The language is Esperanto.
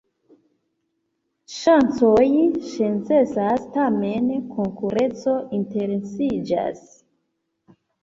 Ŝancoj senĉesas, tamen konkurenco intensiĝas.